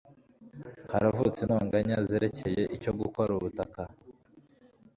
Haravutse intonganya zerekeye icyo gukora ubutaka.